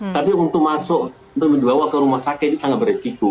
tapi untuk masuk untuk dibawa ke rumah sakit ini sangat beresiko